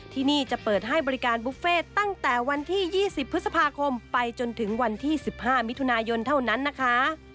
ที่นี่จะเปิดให้บริการบุฟเฟ่ตั้งแต่วันที่๒๐พฤษภาคมไปจนถึงวันที่๑๕มิถุนายนเท่านั้นนะคะ